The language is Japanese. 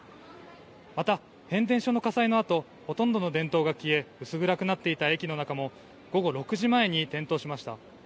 また、変電所の火災のあとほとんどの電灯が消え薄暗くなっていた駅の中も午後６時前に点灯しました。